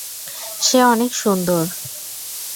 সে অনেক সুন্দর।